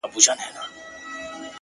• موږ یو چي د دې په سر کي شور وینو,